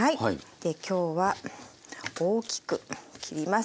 で今日は大きく切ります。